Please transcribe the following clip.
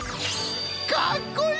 かっこいい！